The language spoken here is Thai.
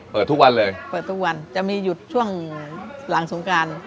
เปิดทุกวันเลยเปิดทุกวันจะมีหยุดช่วงหลังสงการ